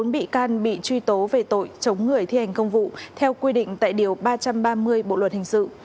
bốn bị can bị truy tố về tội chống người thi hành công vụ theo quy định tại điều ba trăm ba mươi bộ luật hình sự